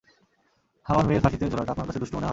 আমার মেয়ের ফাঁসিতে ঝুলাটা আপনার কাছে দুষ্টু মনে হয়?